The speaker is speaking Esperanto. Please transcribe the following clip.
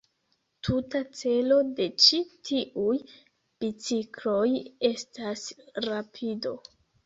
Tuta celo de ĉi tiuj bicikloj estas rapido.